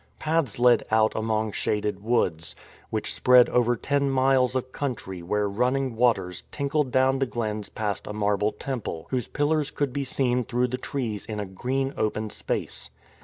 Paths led out among shaded woods, which spread over ten miles of country where running waters tinkled down the glens past a marble temple, whose pillars could be seen through the trees in a green open space.